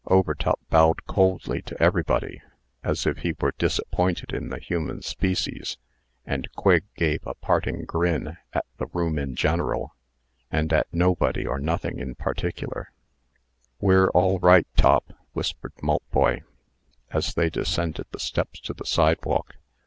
Overtop bowed coldly to everybody, as if he were disappointed in the human species; and Quigg gave a parting grin at the room in general, and at nobody or nothing in particular, "We're all right, Top," whispered Maltboy, as they descended the steps to the sidewalk.